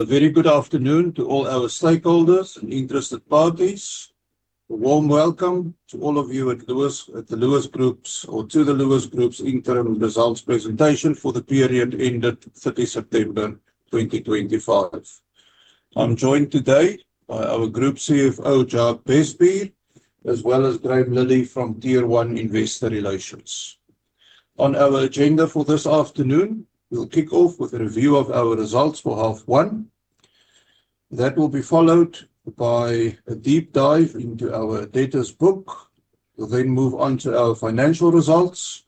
A very good afternoon to all our stakeholders and interested parties. A warm welcome to all of you at the Lewis Group's interim results presentation for the period ended 30 September 2025. I'm joined today by our Group CFO, Jacques Bestbier, as well as Graham Lilly from Tier 1 Investor Relations. On our agenda for this afternoon, we'll kick off with a review of our results for Half One. That will be followed by a deep dive into our Debtors' Book. We'll then move on to our Financial Results,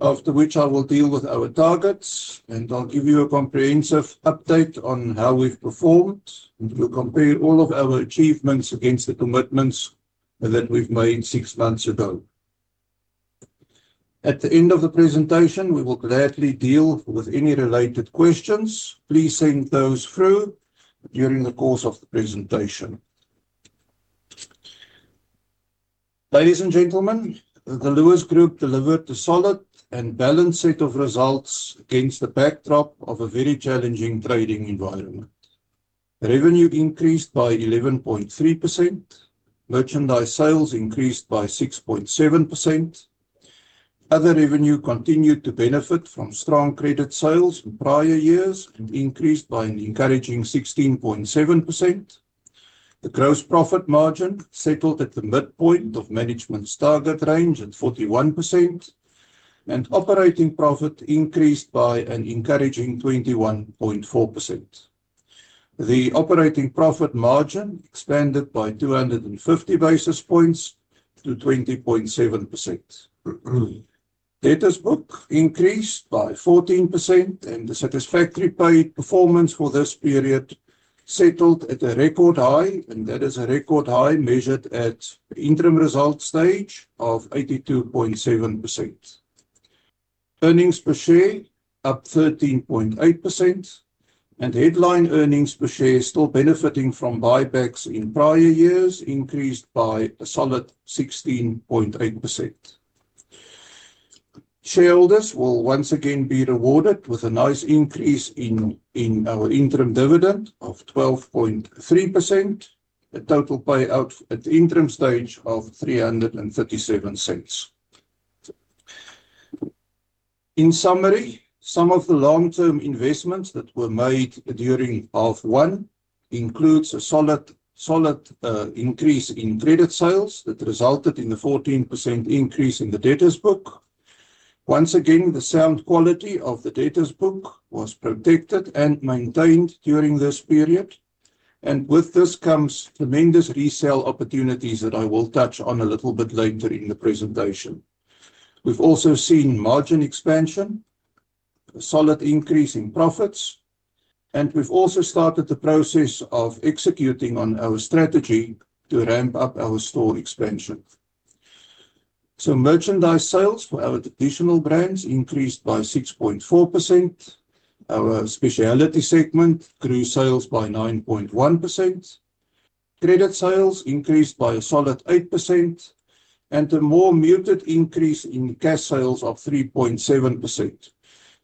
after which I will deal with our targets, and I'll give you a comprehensive update on how we've performed. We'll compare all of our achievements against the commitments that we've made six months ago. At the end of the presentation, we will gladly deal with any related questions. Please send those through during the course of the presentation. Ladies and gentlemen, the Lewis Group delivered a solid and balanced set of results against the backdrop of a very challenging trading environment. Revenue increased by 11.3%. Merchandise sales increased by 6.7%. Other revenue continued to benefit from strong credit sales from prior years, increased by an encouraging 16.7%. The gross profit margin settled at the midpoint of management's target range at 41%, and operating profit increased by an encouraging 21.4%. The operating profit margin expanded by 250 basis points to 20.7%. Debtors' book increased by 14%, and the satisfactory paid performance for this period settled at a record high, and that is a record high measured at the Interim Results stage of 82.7%. Earnings per share up 13.8%, and headline earnings per share still benefiting from buybacks in prior years, increased by a solid 16.8%. Shareholders will once again be rewarded with a nice increase in our interim dividend of 12.3%, a total payout at the interim stage of $0.37. In summary, some of the long-term investments that were made during half one include a solid increase in credit sales that resulted in a 14% increase in the debtors' book. Once again, the sound quality of the debtors' book was protected and maintained during this period, and with this comes tremendous resale opportunities that I will touch on a little bit later in the presentation. We have also seen margin expansion, a solid increase in profits, and we have also started the process of executing on our strategy to ramp up our store expansion. Merchandise sales for our traditional brands increased by 6.4%. Our specialty segment grew sales by 9.1%. Credit sales increased by a solid 8%, and a more muted increase in cash sales of 3.7%.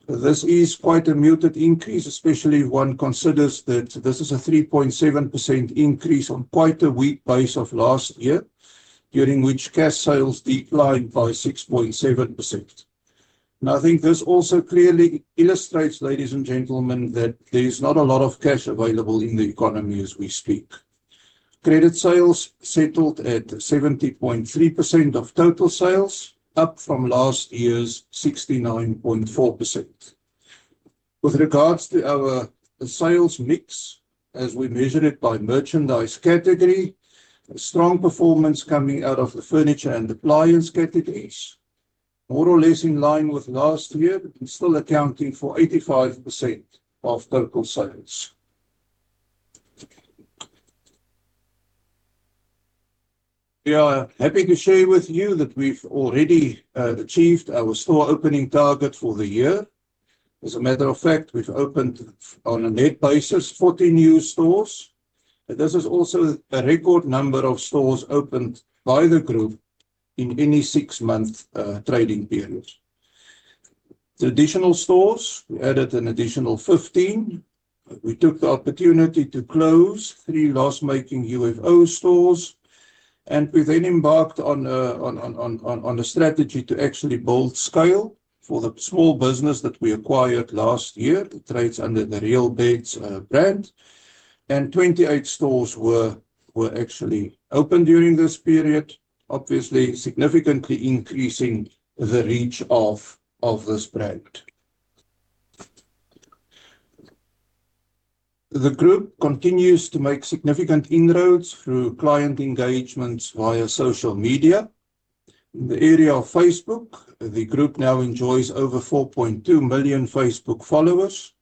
This is quite a muted increase, especially if one considers that this is a 3.7% increase on quite a weak base of last year, during which cash sales declined by 6.7%. I think this also clearly illustrates, ladies and gentlemen, that there's not a lot of cash available in the economy as we speak. Credit sales settled at 70.3% of total sales, up from last year's 69.4%. With regards to our sales mix, as we measure it by merchandise category, strong performance coming out of the furniture and appliance categories, more or less in line with last year, still accounting for 85% of total sales. We are happy to share with you that we've already achieved our store opening target for the year. As a matter of fact, we've opened on a net basis 14 new stores, and this is also a record number of stores opened by the Group in any six-month trading period. Traditional stores, we added an additional 15. We took the opportunity to close three loss-making UFO stores, and we then embarked on a strategy to actually build scale for the small business that we acquired last year, which trades under the Real Beds brand, and 28 stores were actually opened during this period, obviously significantly increasing the reach of this brand. The Group continues to make significant inroads through client engagements via social media. In the area of Facebook, the Group now enjoys over 4.2 million Facebook followers.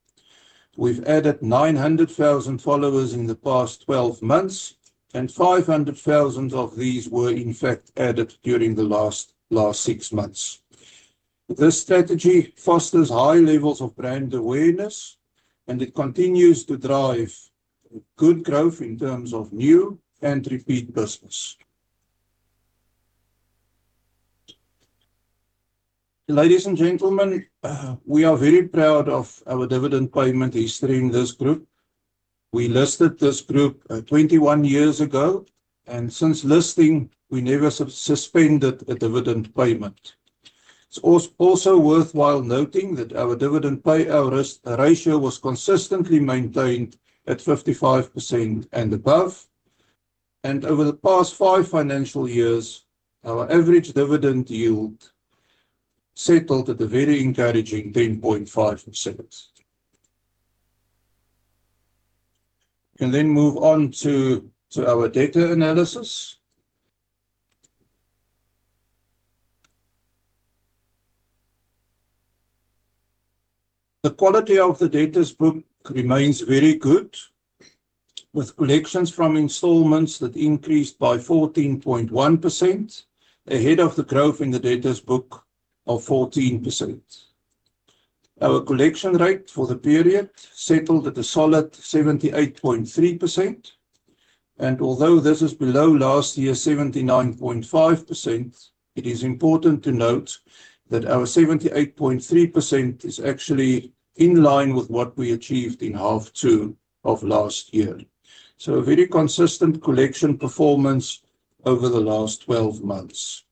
We've added 900,000 followers in the past 12 months, and 500,000 of these were, in fact, added during the last six months. This strategy fosters high levels of brand awareness, and it continues to drive good growth in terms of new and repeat business. Ladies and gentlemen, we are very proud of our dividend payment history in this Group. We listed this Group 21 years ago, and since listing, we never suspended a dividend payment. It's also worthwhile noting that our dividend payout ratio was consistently maintained at 55% and above, and over the past five financial years, our average dividend yield settled at a very encouraging 10.5%. We can then move on to our data analysis. The quality of the debtors' book remains very good, with collections from installments that increased by 14.1% ahead of the growth in the debtors' book of 14%. Our collection rate for the period settled at a solid 78.3%, and although this is below last year's 79.5%, it is important to note that our 78.3% is actually in line with what we achieved in Half Two of last year. A very consistent collection performance over the last 12 months.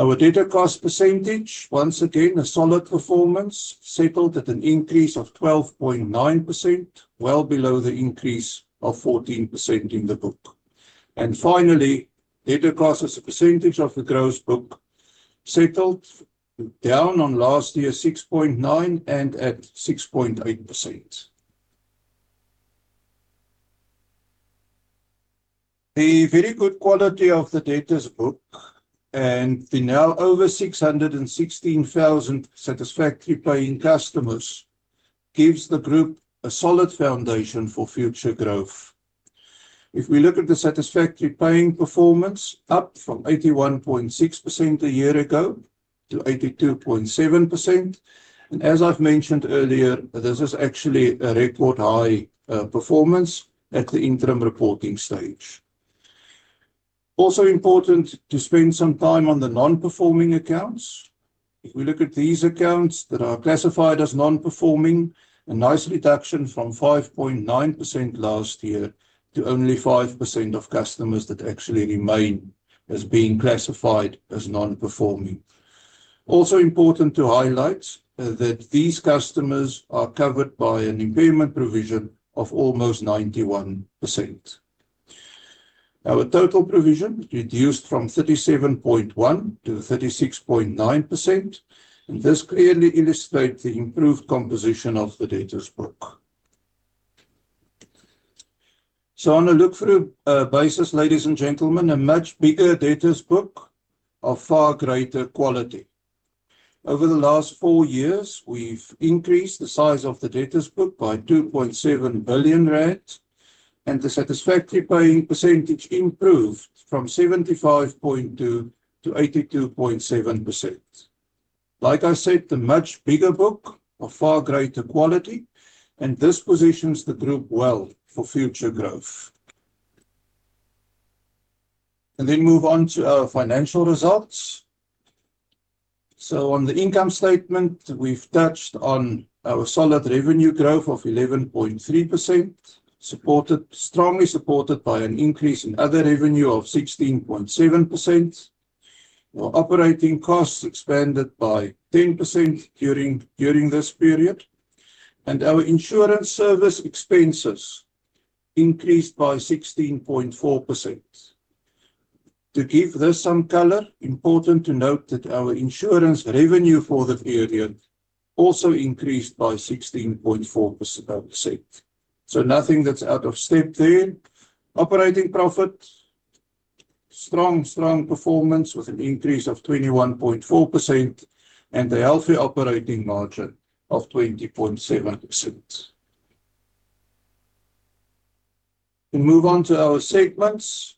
Our data cost percentage, once again, a solid performance, settled at an increase of 12.9%, well below the increase of 14% in the Book. Finally, data cost as a percentage of the gross book settled down on last year's 6.9% and at 6.8%. The very good quality of the debtors' book and the now over 616,000 satisfactory paying customers gives the Group a solid foundation for future growth. If we look at the satisfactory paying performance, up from 81.6% a year ago to 82.7%, and as I've mentioned earlier, this is actually a record high performance at the Interim Reporting stage. Also important to spend some time on the non-performing accounts. If we look at these accounts that are classified as non-performing, a nice reduction from 5.9% last year to only 5% of customers that actually remain as being classified as non-performing. Also important to highlight that these customers are covered by an impairment provision of almost 91%. Our total provision reduced from 37.1%-36.9%, and this clearly illustrates the improved composition of the debtors' book. On a look-through basis, ladies and gentlemen, a much bigger debtors' book of far greater quality. Over the last four years, we've increased the size of the debtors' book by 2.7 billion rand, and the satisfactory paying percentage improved from 75.2%-82.7%. Like I said, the much bigger book of far greater quality, and this positions the Group well for future growth. Moving on to our financial results. On the income statement, we've touched on our solid revenue growth of 11.3%, strongly supported by an increase in other revenue of 16.7%. Our operating costs expanded by 10% during this period, and our insurance service expenses increased by 16.4%. To give this some color, important to note that our insurance revenue for the period also increased by 16.4%. Nothing that's out of step there. Operating profit, strong, strong performance with an increase of 21.4%, and a healthy operating margin of 20.7%. We move on to our segments.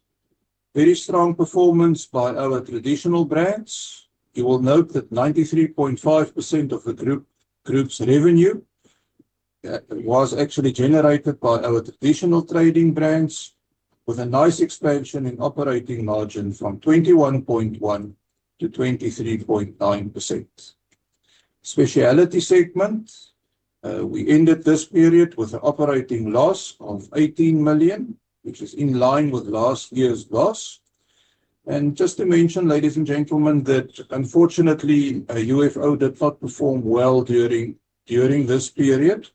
Very strong performance by our traditional brands. You will note that 93.5% of the Group's revenue was actually generated by our traditional trading brands, with a nice expansion in operating margin from 21.1%-23.9%. Specialty segment, we ended this period with an operating loss of 18 million, which is in line with last year's loss. Just to mention, ladies and gentlemen, that unfortunately, UFO did not perform well during this period.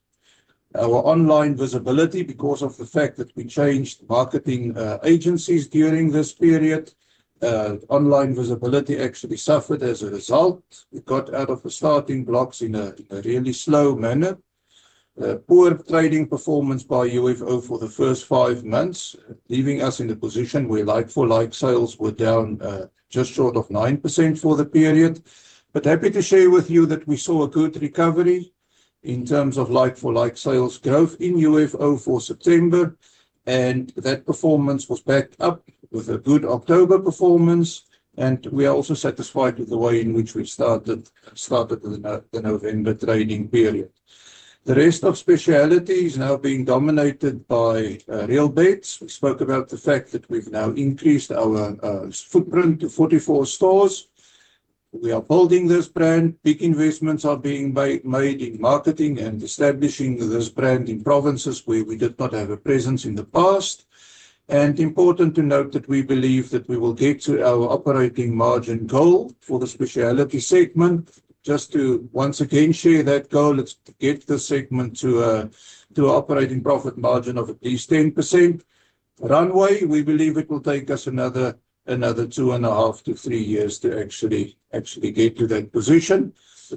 Our online visibility, because of the fact that we changed marketing agencies during this period, online visibility actually suffered as a result. We got out of the starting blocks in a really slow manner. Poor trading performance by UFO for the first five months, leaving us in a position where like-for-like sales were down just short of 9% for the period. Happy to share with you that we saw a good recovery in terms of like-for-like sales growth in UFO for September, and that performance was backed up with a good October performance. We are also satisfied with the way in which we started the November trading period. The rest of specialty is now being dominated by Real Beds. We spoke about the fact that we've now increased our footprint to 44 stores. We are building this brand. Big investments are being made in marketing and establishing this brand in provinces where we did not have a presence in the past. It is important to note that we believe that we will get to our operating margin goal for the specialty segment. Just to once again share that goal, let's get the segment to an operating profit margin of at least 10%. Runway, we believe it will take us another two and a half to three years to actually get to that position.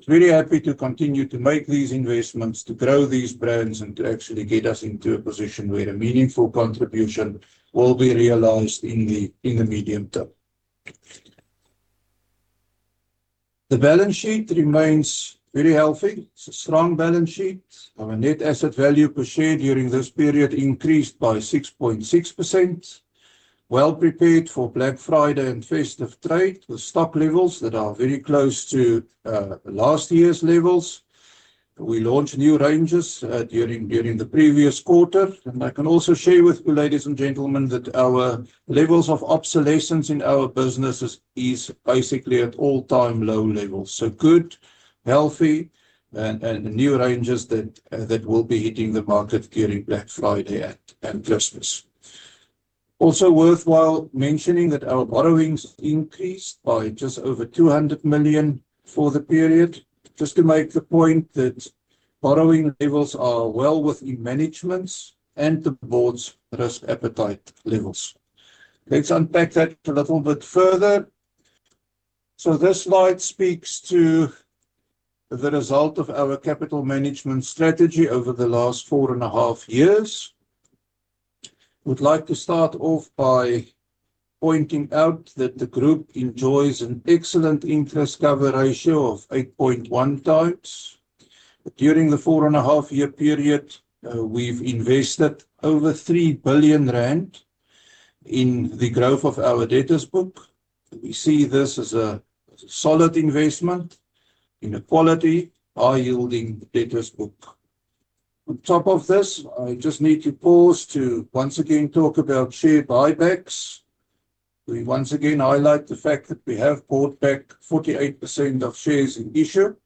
Very happy to continue to make these investments, to grow these brands, and to actually get us into a position where a meaningful contribution will be realized in the medium term. The balance sheet remains very healthy. It is a strong balance sheet. Our net asset value per share during this period increased by 6.6%. We are prepared for Black Friday and festive trade, with stock levels that are very close to last year's levels. We launched new ranges during the previous quarter, and I can also share with you, ladies and gentlemen, that our levels of obsolescence in our business are basically at all-time low levels. Good, healthy, and new ranges will be hitting the market during Black Friday and Christmas. Also worthwhile mentioning that our borrowings increased by just over 200 million for the period. Just to make the point that borrowing levels are well within management's and the board's risk appetite levels. Let's unpack that a little bit further. This slide speaks to the result of our capital management strategy over the last four and a half years. We'd like to start off by pointing out that the Group enjoys an excellent interest cover ratio of 8.1 times. During the four and a half year period, we've invested over 3 billion rand in the growth of our debtors' book. We see this as a solid investment in a quality, high-yielding debtors' book. On top of this, I just need to pause to once again talk about share buybacks. We once again highlight the fact that we have bought back 48% of shares in issue,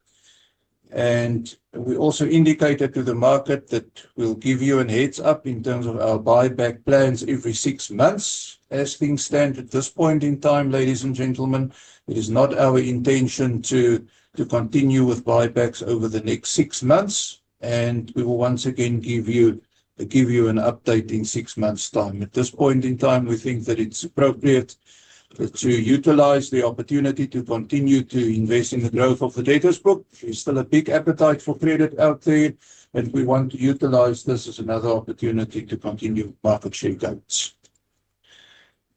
and we also indicated to the market that we'll give you a heads-up in terms of our buyback plans every six months. As things stand at this point in time, ladies and gentlemen, it is not our intention to continue with buybacks over the next six months, and we will once again give you an update in six months' time. At this point in time, we think that it's appropriate to utilize the opportunity to continue to invest in the growth of the Debtors' book. There's still a big appetite for credit out there, and we want to utilize this as another opportunity to continue market share gains.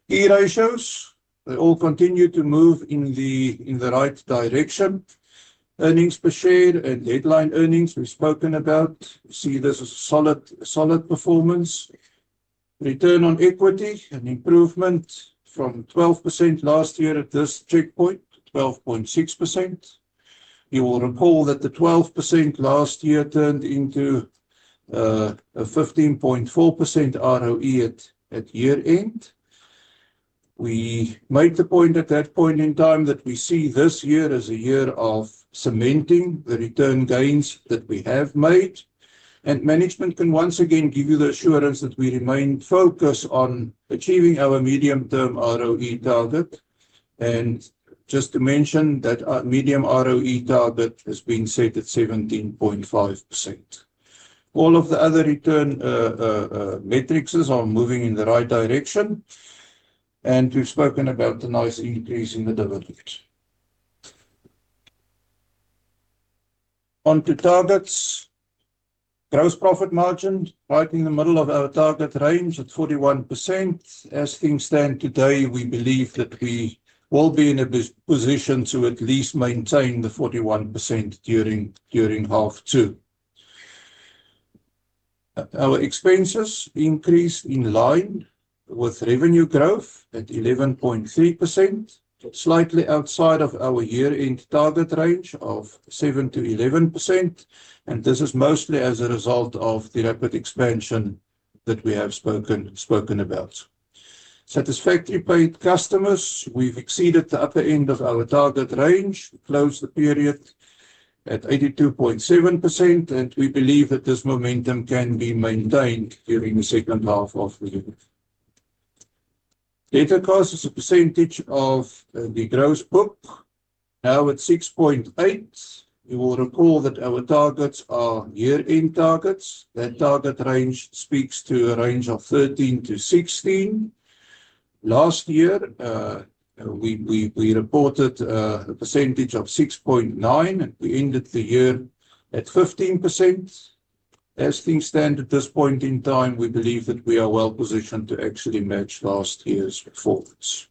Key ratios, they all continue to move in the right direction. Earnings per share and headline earnings, we've spoken about. You see this is a solid performance. Return on equity and improvement from 12% last year at this checkpoint to 12.6%. You will recall that the 12% last year turned into a 15.4% ROE at year-end. We made the point at that point in time that we see this year as a year of cementing the return gains that we have made, and management can once again give you the assurance that we remain focused on achieving our medium-term ROE target. Just to mention that our medium ROE target has been set at 17.5%. All of the other return metrics are moving in the right direction, and we've spoken about a nice increase in the dividend. Onto targets. Gross profit margin right in the middle of our target range at 41%. As things stand today, we believe that we will be in a position to at least maintain the 41% during Half Two. Our expenses increased in line with revenue growth at 11.3%, slightly outside of our year-end target range of 7%-11%, and this is mostly as a result of the rapid expansion that we have spoken about. Satisfactory paying customers, we've exceeded the upper end of our target range. We closed the period at 82.7%, and we believe that this momentum can be maintained during the second half of the year. Data cost as a percentage of the gross book is now at 6.8%. You will recall that our targets are year-end targets. That target range speaks to a range of 13%-16%. Last year, we reported a percentage of 6.9%, and we ended the year at 15%. As things stand at this point in time, we believe that we are well positioned to actually match last year's performance.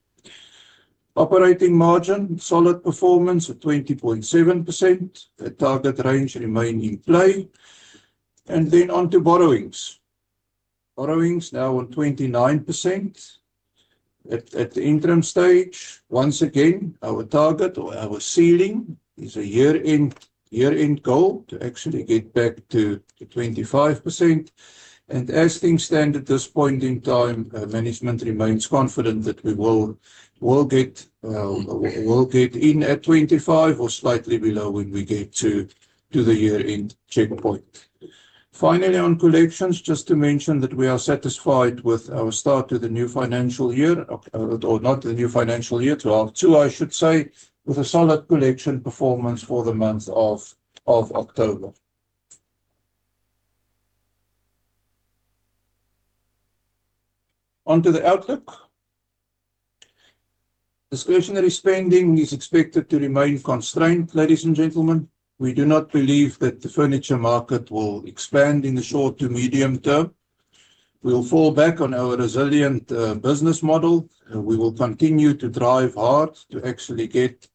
Operating margin, solid performance at 20.7%. The target range remained in play. Onto borrowings. Borrowings now on 29%. At the interim stage, once again, our target or our ceiling is a year-end goal to actually get back to 25%. As things stand at this point in time, management remains confident that we will get in at 25% or slightly below when we get to the year-end checkpoint. Finally, on collections, just to mention that we are satisfied with our start to the new financial year, or not the new financial year, to half two, I should say, with a solid collection performance for the month of October. Onto the outlook. Discretionary spending is expected to remain constrained, ladies and gentlemen. We do not believe that the furniture market will expand in the short to medium term. We will fall back on our resilient business model, and we will continue to drive hard to actually get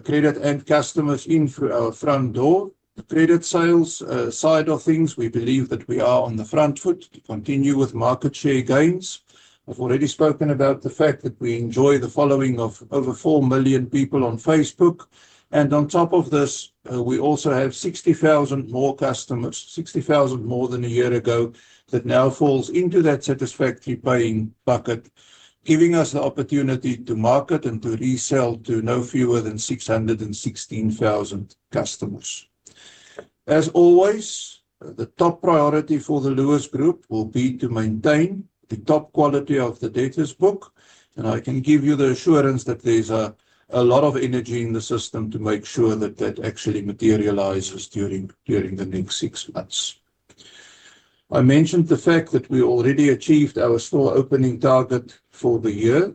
credit and customers in through our front door. Credit sales side of things, we believe that we are on the front foot to continue with market share gains. I have already spoken about the fact that we enjoy the following of over 4 million people on Facebook, and on top of this, we also have 60,000 more customers, 60,000 more than a year ago, that now falls into that satisfactory paying bucket, giving us the opportunity to market and to resell to no fewer than 616,000 customers. As always, the top priority for the Lewis Group will be to maintain the top quality of the debtors' book, and I can give you the assurance that there's a lot of energy in the system to make sure that that actually materializes during the next six months. I mentioned the fact that we already achieved our store opening target for the year.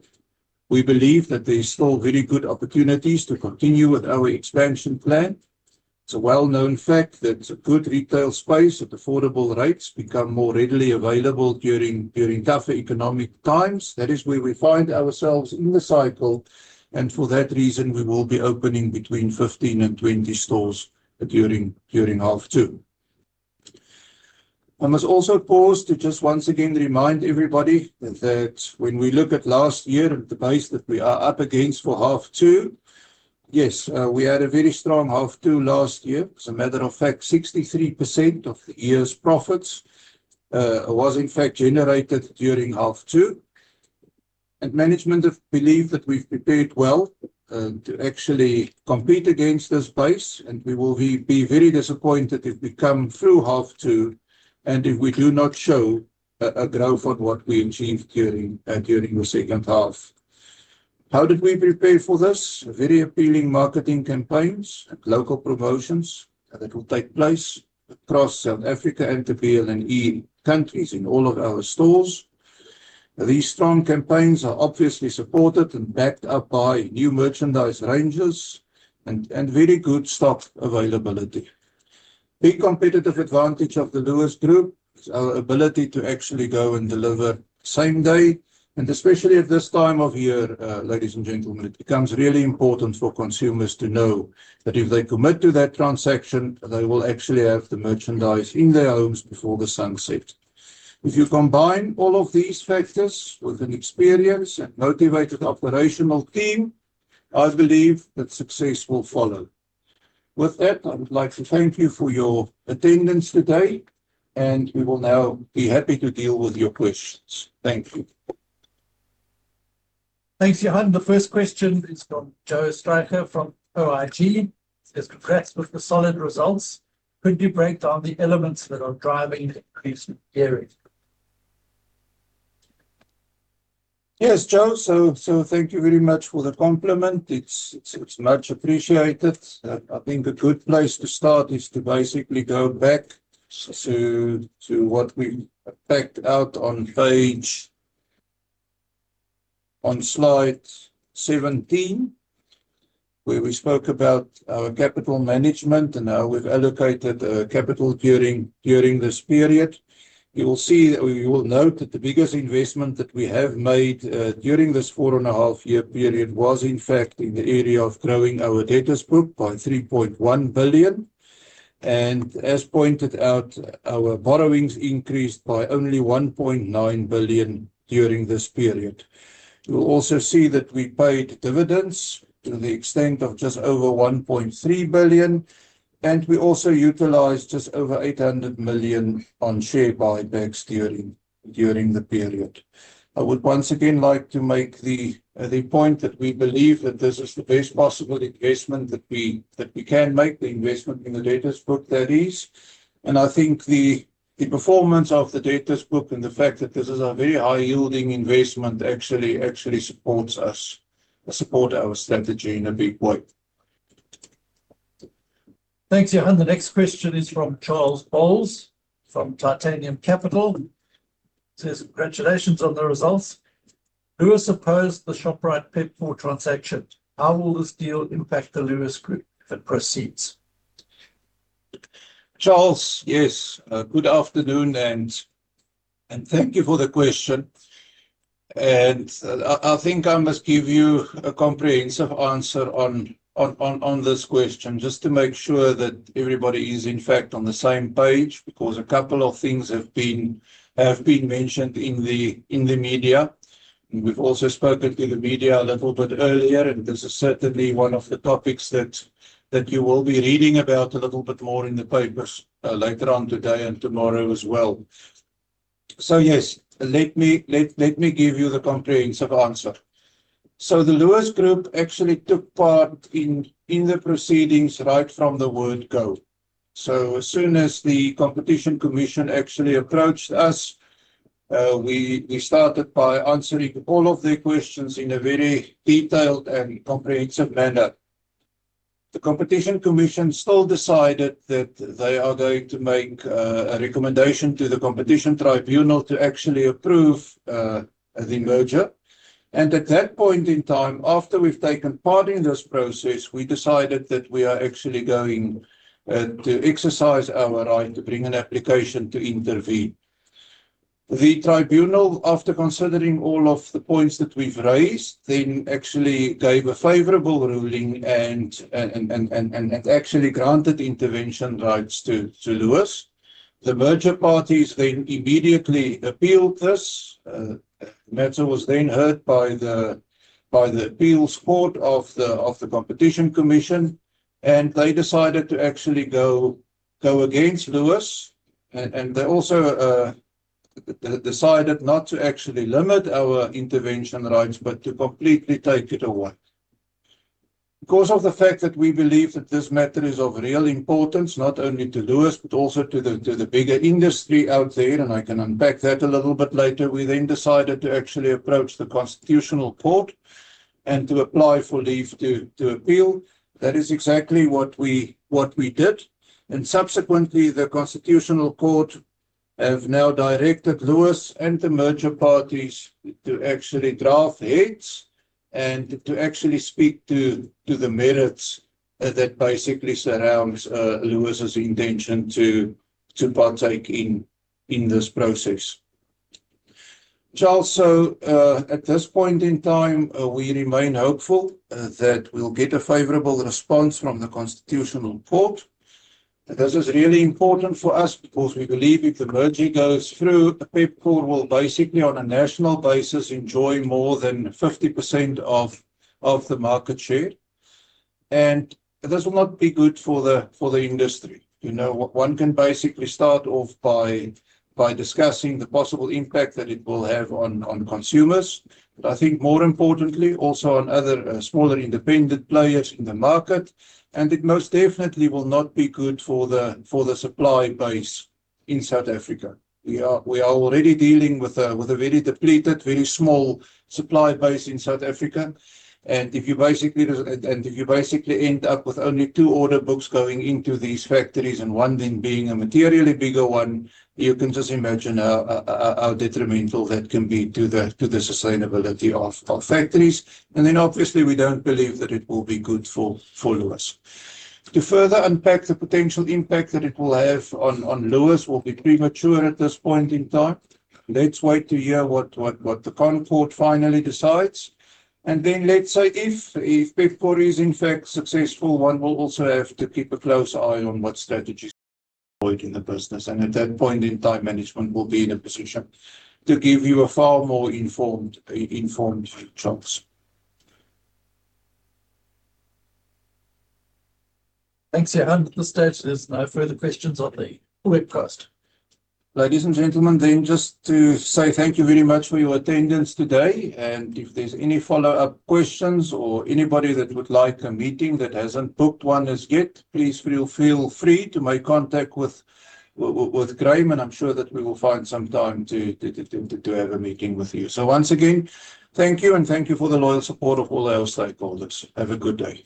We believe that there's still very good opportunities to continue with our expansion plan. It's a well-known fact that good retail space at affordable rates becomes more readily available during tougher economic times. That is where we find ourselves in the cycle, and for that reason, we will be opening between 15 and 20 stores during Half Two. I must also pause to just once again remind everybody that when we look at last year at the base that we are up against for Half Two, yes, we had a very strong Half Two last year. As a matter of fact, 63% of the year's profits was in fact generated during Half Two. Management believes that we've prepared well to actually compete against this base, and we will be very disappointed if we come through Half Two and if we do not show a growth on what we achieved during the second half. How did we prepare for this? Very appealing marketing campaigns and local promotions that will take place across South Africa and the BLNE countries in all of our stores. These strong campaigns are obviously supported and backed up by new merchandise ranges and very good stock availability. Big competitive advantage of the Lewis Group is our ability to actually go and deliver same day, and especially at this time of year, ladies and gentlemen, it becomes really important for consumers to know that if they commit to that transaction, they will actually have the merchandise in their homes before the sunset. If you combine all of these factors with an experienced and motivated operational team, I believe that success will follow. With that, I would like to thank you for your attendance today, and we will now be happy to deal with your questions. Thank you. Thanks, Johan. The first question is from Joe Stryker from OIG. He says, "Congrats with the solid results. Could you break down the elements that are driving the increase in the area?" Yes, Joe. Thank you very much for the compliment. It's much appreciated. I think a good place to start is to basically go back to what we packed out on page on slide 17, where we spoke about our capital management and how we've allocated capital during this period. You will see that we will note that the biggest investment that we have made during this four and a half year period was in fact in the area of growing our debtors' book by 3.1 billion. As pointed out, our borrowings increased by only 1.9 billion during this period. You will also see that we paid dividends to the extent of just over 1.3 billion, and we also utilized just over 800 million on share buybacks during the period. I would once again like to make the point that we believe that this is the best possible investment that we can make, the investment in the debtors' book, that is. I think the performance of the Debtors' Book and the fact that this is a very high-yielding investment actually supports us, supports our strategy in a big way. Thanks, Johan. The next question is from Charles Bowles from Titanium Capital. He says, "Congratulations on the results. Lewis opposed the Shoprite Pepkor transaction. How will this deal impact the Lewis Group if it proceeds?" Charles, yes, good afternoon, and thank you for the question. I think I must give you a comprehensive answer on this question just to make sure that everybody is in fact on the same page because a couple of things have been mentioned in the media. We have also spoken to the media a little bit earlier, and this is certainly one of the topics that you will be reading about a little bit more in the papers later on today and tomorrow as well. Yes, let me give you the comprehensive answer. The Lewis Group actually took part in the proceedings right from the word go. As soon as the Competition Commission actually approached us, we started by answering all of their questions in a very detailed and comprehensive manner. The Competition Commission still decided that they are going to make a recommendation to the Competition Tribunal to actually approve the merger. At that point in time, after we've taken part in this process, we decided that we are actually going to exercise our right to bring an application to intervene. The Tribunal, after considering all of the points that we've raised, then actually gave a favorable ruling and actually granted intervention rights to Lewis. The merger parties then immediately appealed this. The matter was then heard by the appeals court of the Competition Commission, and they decided to actually go against Lewis. They also decided not to actually limit our intervention rights, but to completely take it away. Because of the fact that we believe that this matter is of real importance, not only to Lewis, but also to the bigger industry out there, and I can unpack that a little bit later, we then decided to actually approach the Constitutional Court and to apply for leave to appeal. That is exactly what we did. Subsequently, the Constitutional Court has now directed Lewis and the merger parties to actually draft heads and to actually speak to the merits that basically surround Lewis's intention to partake in this process. Charles, at this point in time, we remain hopeful that we'll get a favorable response from the Constitutional Court. This is really important for us because we believe if the merger goes through, Pepkor will basically, on a national basis, enjoy more than 50% of the market share. This will not be good for the industry. One can basically start off by discussing the possible impact that it will have on consumers, but I think more importantly, also on other smaller independent players in the market. It most definitely will not be good for the supply base in South Africa. We are already dealing with a very depleted, very small supply base in South Africa. If you basically end up with only two order books going into these factories and one then being a materially bigger one, you can just imagine how detrimental that can be to the sustainability of factories. Obviously, we do not believe that it will be good for Lewis. To further unpack the potential impact that it will have on Lewis, we'll be premature at this point in time. Let's wait to hear what the Competition Tribunal finally decides. If Pepkor is in fact successful, one will also have to keep a close eye on what strategies in the business. At that point in time, management will be in a position to give you a far more informed choice. Thanks, Johan. At this stage, there's no further questions on the webcast. Ladies and gentlemen, just to say thank you very much for your attendance today. If there's any follow-up questions or anybody that would like a meeting that hasn't booked one as yet, please feel free to make contact with Graham, and I'm sure that we will find some time to have a meeting with you. Once again, thank you, and thank you for the loyal support of all our stakeholders. Have a good day.